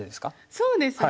そうですね。